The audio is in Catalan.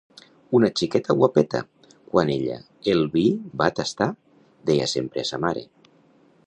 Una xiqueta guapeta, quan ella el vi va tastar, deia sempre a sa mare: